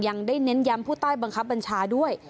ยังได้เน้นย้ำผู้ใต้บังคับบัญชาด้วย